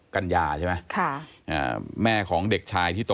๒๖กันยาใช่ไหม